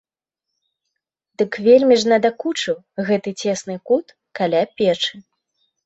Дык вельмі ж надакучаў гэты цесны кут каля печы.